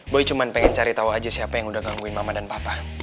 boy cuma pengen cari tahu aja siapa yang udah gangguin mama dan papa